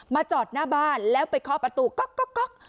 มาจอดหน้าบ้านแล้วไปเคาะประตูก๊อกก๊อกก๊อก